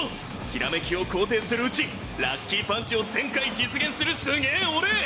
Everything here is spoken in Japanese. ひらめきを肯定するうちラッキーパンチを１０００回実現するすげぇ俺！